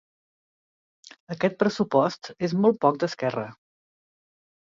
Aquest pressupost és molt poc d’Esquerra.